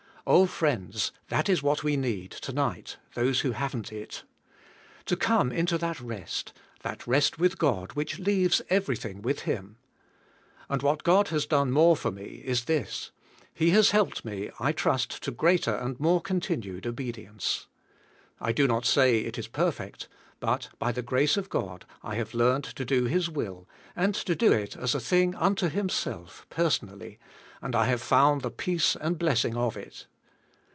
Oh friends, that is what we need, to night, those who haven't it. To come into that rest, that rest with God, which leaves everything with Him. And what God has done more for me is this: He has helped me, I trust to greater and more con tinued obedience. I do not say it is perfect, but by the grace of God I have learned to do His will, and to do it as a thing unto Himself, personally, and I have found the peace and blessing of it.